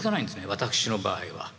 私の場合は。